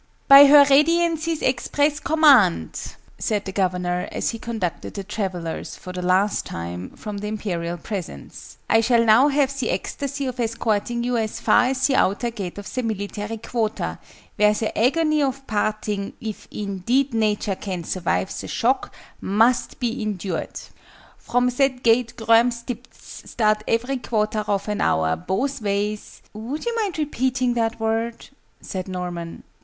"By Her Radiancy's express command," said the Governor, as he conducted the travellers, for the last time, from the Imperial presence, "I shall now have the ecstasy of escorting you as far as the outer gate of the Military Quarter, where the agony of parting if indeed Nature can survive the shock must be endured! From that gate grurmstipths start every quarter of an hour, both ways " "Would you mind repeating that word?" said Norman.